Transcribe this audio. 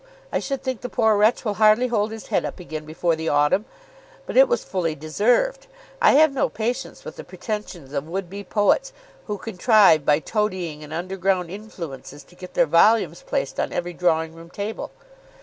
I should think the poor wretch will hardly hold his head up again before the autumn. But it was fully deserved. I have no patience with the pretensions of would be poets who contrive by toadying and underground influences to get their volumes placed on every drawing room table.